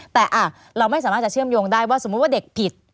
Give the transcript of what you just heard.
แต่เราไม่สามารถจะเชื่อมโยงได้ว่าสมมุติว่าเด็กผิด